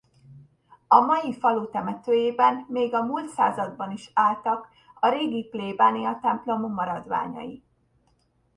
A mai falu temetőjében még a múlt században is álltak a régi plébániatemplom maradványai.